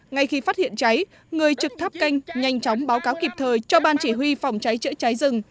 ngay khi phát hiện cháy người trực tháp canh nhanh chóng báo cáo kịp thời cho ban chỉ huy phòng cháy chữa cháy rừng